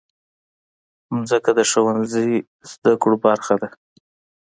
مځکه د ښوونځي زدهکړو برخه ده.